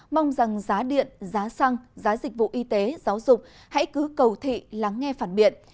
mong rằng giá điện giá xăng giá dịch vụ y tế giáo dục hãy cứ cầu thị lắng nghe phản biện